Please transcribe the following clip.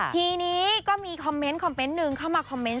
ทีนี้ก็มีคอมเมนต์คอมเมนต์หนึ่งเข้ามาคอมเมนต